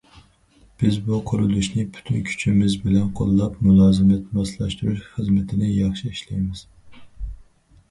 بىز بۇ قۇرۇلۇشنى پۈتۈن كۈچىمىز بىلەن قوللاپ، مۇلازىمەت، ماسلاشتۇرۇش خىزمىتىنى ياخشى ئىشلەيمىز.